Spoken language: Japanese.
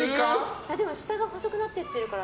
でも下が細くなってってるから。